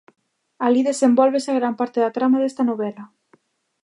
Alí desenvólvese gran parte da trama desta novela.